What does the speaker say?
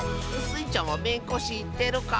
スイちゃんはめんこしってるか？